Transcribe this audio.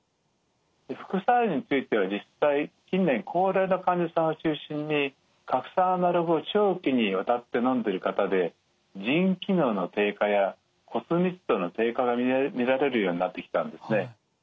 副作用については実際近年高齢の患者さんを中心に核酸アナログを長期にわたってのんでる方で腎機能の低下や骨密度の低下が見られるようになってきたんですね。